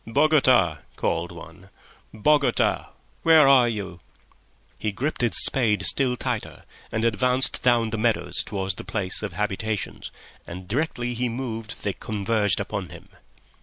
"Bogota!" called one. "Bogota! where are you?" He gripped his spade still tighter and advanced down the meadows towards the place of habitations, and directly he moved they converged upon him.